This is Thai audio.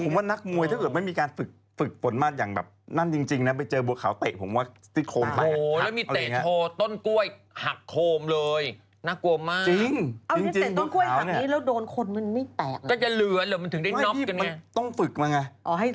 ผมว่านักมวยถ้าเกิดไม่มีการฝึกฝึกฝนมาอย่างแบบนั่นจริงนะไปเจอบัวขาวเตะผมว่าติดโคมเขาไง